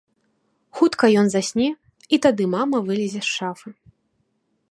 Хутка ён засне, і тады мама вылезе з шафы.